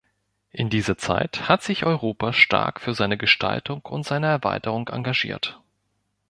In dieser Zeit hat sich Europa stark für seine Gestaltung und seine Erweiterung engagiert.